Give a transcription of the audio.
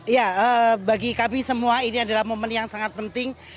ya bagi kami semua ini adalah momen yang sangat penting